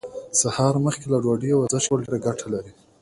سهار مخکې له ډوډۍ ورزش کول ډيره ګټه لري.